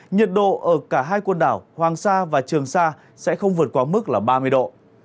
nhiệt độ ở cả hai quân đảo hoàng sa và trường sa sẽ không vượt quá mức là ba mươi độ